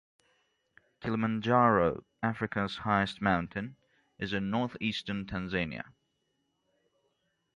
Kilimanjaro, Africa's highest mountain, is in northeastern Tanzania.